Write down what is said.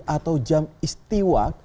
atau jam istiwa